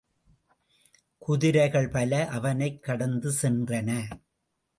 குதிரைகள் பல அவனைக் கடந்து சென்றன.